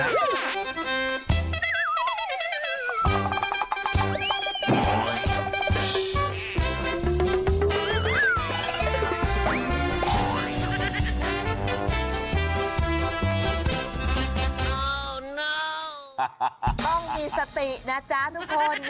ต้องมีสตินะจ๊ะทุกคน